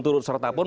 turut serta pun